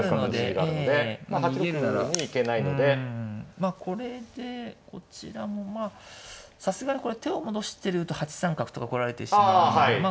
まあこれでこちらもまあさすがにこれ手を戻してると８三角とか来られてしまうんでまあここで。